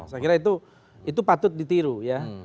saya kira itu patut ditiru ya